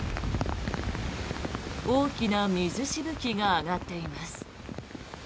大きな水しぶきが上がっています。